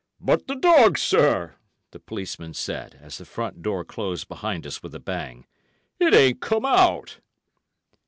"But the dog, sir," the policeman said, as the front door closed behind us with a bang; "it ain't come out!"